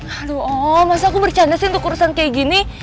aduh oh masa aku bercanda sih untuk urusan kayak gini